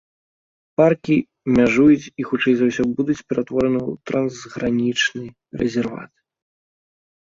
Паркі мяжуюць і хутчэй за ўсё будуць ператвораны ў трансгранічны рэзерват.